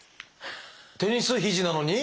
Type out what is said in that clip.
テニス肘なのに？